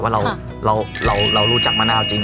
ว่าเรารู้จักมะนาวจริง